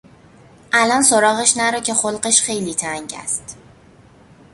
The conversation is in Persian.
الان سراغش نرو که خلقش خیلی تنگ است.